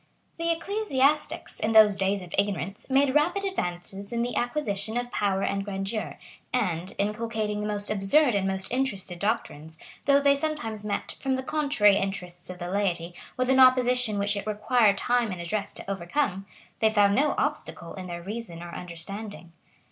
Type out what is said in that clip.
] The ecclesiastics, in those days of ignorance, made rapid advances in the acquisition of power and grandeur; and, inculcating the most absurd and most interested doctrines, though they sometimes met, from the contrary interests of the laity, with an opposition which it required time and address to overcome, they found no obstacle in their reason or understanding.